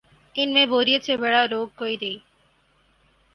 ان میں بوریت سے بڑا روگ کوئی نہیں۔